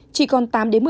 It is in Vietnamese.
chỉ còn tám một mươi